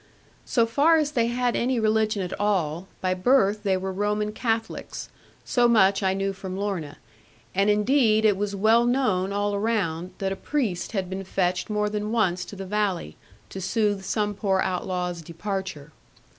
So far as they had any religion at all, by birth they were Roman Catholics so much I knew from Lorna; and indeed it was well known all around, that a priest had been fetched more than once to the valley, to soothe some poor outlaw's departure.